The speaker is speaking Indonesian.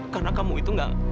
karena kamu itu gak